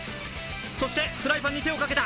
そしてフライパンに手をかけた。